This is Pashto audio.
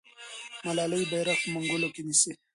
ملالۍ بیرغ په منګولو کې نیسي.